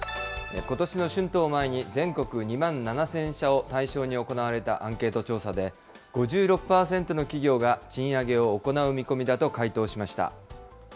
ことしの春闘を前に、全国２万７０００社を対象に行われたアンケート調査で、５６％の企業が賃上げを行う見込みだと回答しました。